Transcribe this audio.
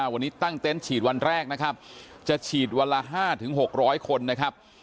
วันนี้ตั้งเต็นต์ฉีดวันแรกนะครับจะฉีดวันละ๕๖๐๐คนนะครับ